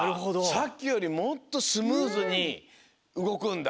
さっきよりもっとスムーズにうごくんだ？